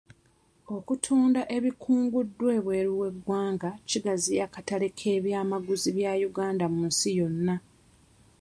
Okutunda ebikunguddwa ebweru w'eggwanga kigaziya akatale k'eby'amaguzi bya uganda mu nsi yonna.